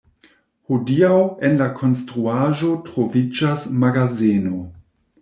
Hodiaŭ en la konstruaĵo troviĝas magazeno.